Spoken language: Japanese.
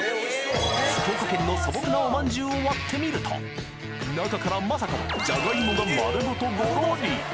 福岡県の素朴なおまんじゅうを割ってみると中からまさかのじゃがいもが丸ごとごろり！